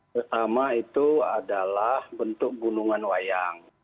pertama itu adalah bentuk gunungan wayang